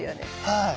はい。